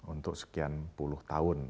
untuk sekian puluh tahun